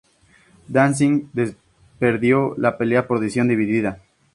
Danzig perdió la pelea por decisión dividida.